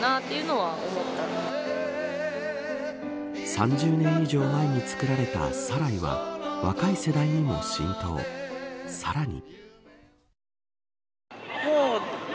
３０年以上前に作られたサライは若い世代にも浸透、さらに。